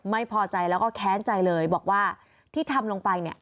ไม่พอใจแล้วก็แค้นใจเลยบอกว่าที่ทำลงไปเนี่ย